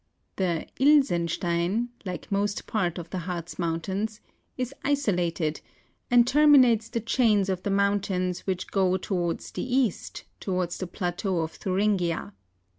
The Hsenstein, like most part of the Hartz Mountains, is isolated, and terminates the chain of niK i5k<h ki:n •» THE BROCKEN. 163 mountains which go towards the east, towards the plateau of Thuringia.